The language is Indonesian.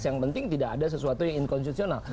yang penting tidak ada sesuatu yang inkonstitusional